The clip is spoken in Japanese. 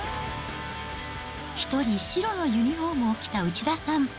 一人白のユニホームを着た内田さん。